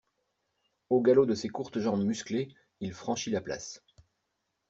Au galop de ses courtes jambes musclées, il franchit la place.